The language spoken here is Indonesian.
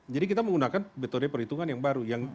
jadi kita menggunakan metode perhitungan yang baru